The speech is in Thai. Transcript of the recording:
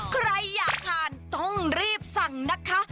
ใครอยากทานต้องรีบสั่งนะคะ